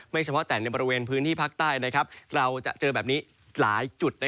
เฉพาะแต่ในบริเวณพื้นที่ภาคใต้เราจะเจอแบบนี้หลายจุด